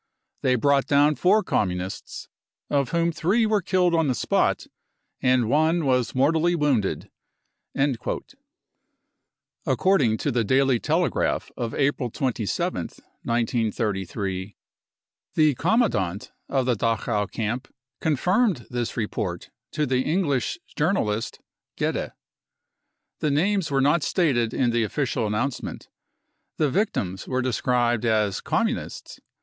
They brought down four Communists, of whom three were killed on the spot, and one was mortally wounded. 55 According to the Daily Telegraph of April 27th, 1933, the commandant of the Dachau camp confirmed this report to the English journalist Geyde. The names were not stated in the official announcement. The victims were described as Communists.